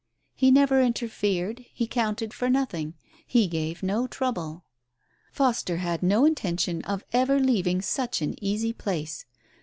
He never interfered, he counted for nothing, he gave no trouble. Foster had no intention of ever leaving such an easy place.